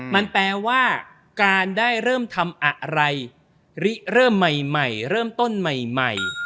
มันแปลว่าการได้เริ่มทำอะไรริเริ่มใหม่เริ่มต้นใหม่